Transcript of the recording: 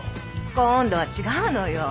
今度は違うのよ。